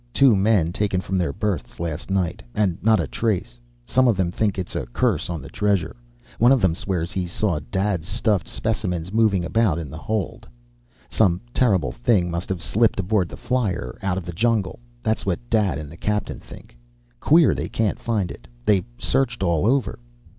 Two men taken from their berths last night. And not a trace. Some of them think it's a curse on the treasure. One of them swears he saw Dad's stuffed specimens moving about in the hold. "Some terrible thing must have slipped aboard the flier, out of the jungle. That's what Dad and the captain think. Queer they can't find it. They've searched all over.